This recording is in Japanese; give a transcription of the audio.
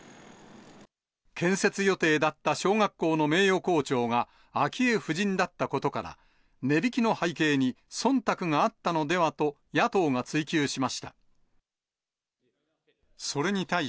建設予定だった小学校の名誉校長が昭恵夫人だったことから、値引きの背景にそんたくがあったのではと野党が追及しました。